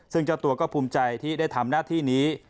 ซึ่งเจ้าตัวก็ภูมิใจที่ได้ทำหน้าที่นี้